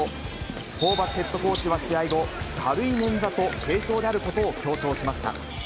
ホーバスヘッドコーチは試合後、軽いねんざと軽傷であることを強調しました。